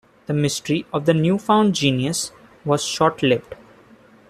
The mystery of the newfound genius was short-lived.